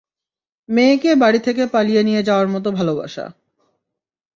মেয়েকে বাড়ি থেকে পালিয়ে নিয়ে যাওয়ার মত ভালোবাসা।